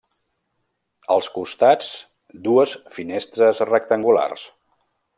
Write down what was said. Als costats dues finestres rectangulars.